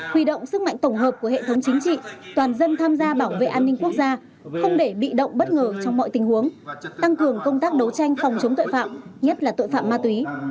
huy động sức mạnh tổng hợp của hệ thống chính trị toàn dân tham gia bảo vệ an ninh quốc gia không để bị động bất ngờ trong mọi tình huống tăng cường công tác đấu tranh phòng chống tội phạm nhất là tội phạm ma túy